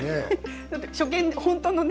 だって初見本当のね